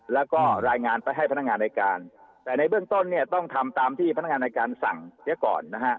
แล้วก็รายงานไปให้พนักงานในการแต่ในเบื้องต้นเนี่ยต้องทำตามที่พนักงานในการสั่งเสียก่อนนะฮะ